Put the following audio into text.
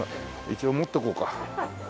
一応持っとこうか。